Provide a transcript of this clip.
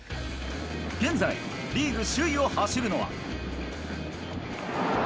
現在、リーグ首位を走るのは。